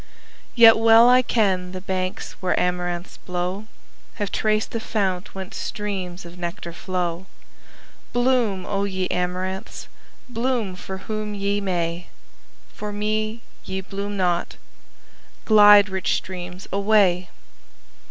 Yet well I ken the banks where amaranths blow, Have traced the fount whence streams of nectar flow. Bloom, O ye amaranths! bloom for whom ye may, For me ye bloom not! Glide, rich streams, away!